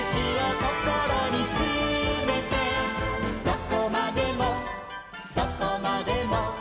「どこまでもどこまでも」